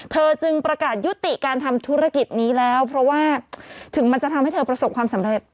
จึงประกาศยุติการทำธุรกิจนี้แล้วเพราะว่าถึงมันจะทำให้เธอประสบความสำเร็จ